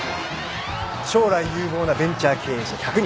将来有望なベンチャー経営者１００人。